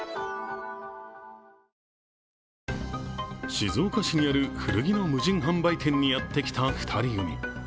静岡市にある古着の無人販売店にやってきた２人組。